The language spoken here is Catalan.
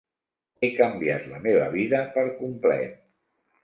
He canviat la meva vida per complet.